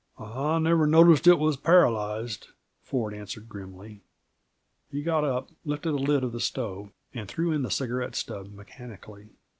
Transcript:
"I never noticed that it was paralyzed," Ford answered grimly. He got up, lifted a lid of the stove, and threw in the cigarette stub mechanically.